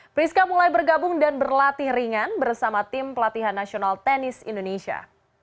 priska mulai bergabung dan berlatih ringan bersama tim pelatihan nasional tenis indonesia